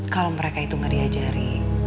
kalau mereka itu gak diajari